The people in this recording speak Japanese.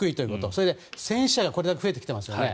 それで戦死者がこれだけ増えてきていますよね。